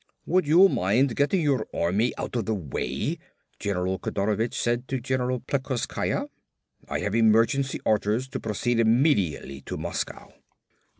"Would you mind getting your army out of the way," General Kodorovich said to General Plekoskaya. "I have emergency orders to proceed immediately to Moscow."